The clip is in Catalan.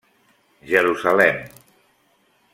Jerusalem.